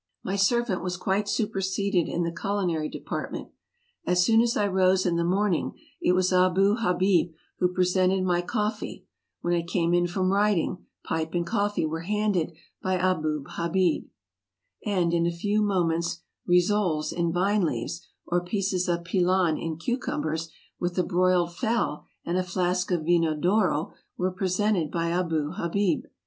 My servant was quite superseded in the culinary depart ment. As soon as I rose in the morning it was Abou Habib who presented my coffee ; when I came in from rid ing, pipe and coffee were handed by Abou Habib; and in a few moments rissoles in vine leaves, or pieces of pilan in cucumbers, with a broiled fowl and a flask of Vino d'Oro, were presented by Abou Habib.